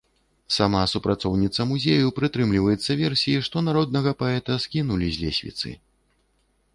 Сама супрацоўніца музею прытрымліваецца версіі, што народнага паэта скінулі з лесвіцы.